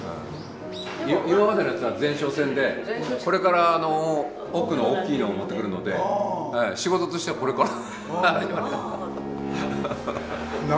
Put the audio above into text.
今までのやつは前哨戦でこれから奥の大きいのを持ってくるので仕事としてはこれから。